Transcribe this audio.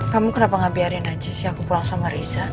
kamu kenapa gak biarin aja sih aku pulang sama riza